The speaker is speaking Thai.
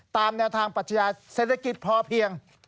ตามแนวทางปัชญาเศรษฐกิจพอเพียง